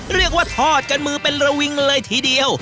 เรียกว่าทอดกันมือเป็นระวิงเลยทีเดียว